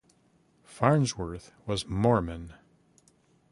Farnsworth was Mormon.